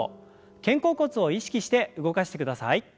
肩甲骨を意識して動かしてください。